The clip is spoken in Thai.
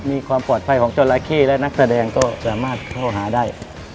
มีความปลอดภัยของจราเข้และนักแสดงก็สามารถเข้าหาได้